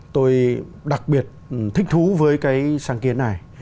tôi đặc biệt thích thú với cái sáng kiến này